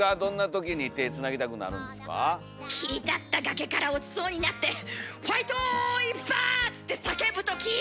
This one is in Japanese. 切り立った崖から落ちそうになって「ファイト！」「一発！」って叫ぶとき。